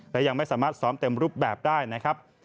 และยังไม่สามารถซ้อมเต็มรูปแบบได้นะครับ